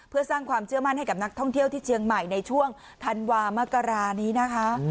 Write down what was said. เพื่อสร้างความเชื่อมั่นให้กับนักท่องเที่ยวที่เชียงใหม่ในช่วงธันวามกรานี้นะคะ